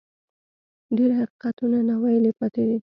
ډېر حقیقتونه ناویلي پاتې دي.